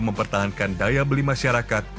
mempertahankan daya beli masyarakat